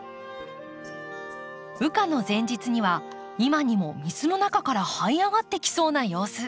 羽化の前日には今にも水の中からはい上がってきそうな様子。